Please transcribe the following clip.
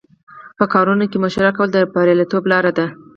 په کارونو کې مشوره کول د بریالیتوب لاره ده.